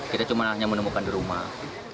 kita cuma hanya menemukan di rumah